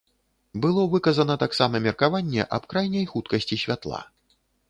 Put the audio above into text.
Было выказана таксама меркаванне аб крайняй хуткасці святла.